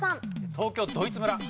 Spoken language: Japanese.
東京ドイツ村。